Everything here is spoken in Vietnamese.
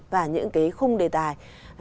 và những cái khung đề tài